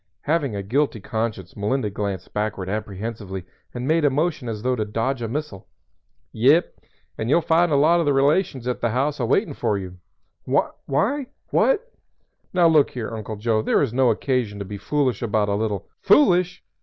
Having a guilty conscience Melinda glanced backward apprehensively and made a motion as though to dodge a missile. "Yep; and you'll find a lot of the relations at the house a waitin' for you." "Why what ? Now look here, Uncle Joe, there is no occasion to be foolish about a little " "Foolish?